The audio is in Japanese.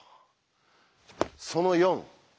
その４。